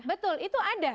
betul itu ada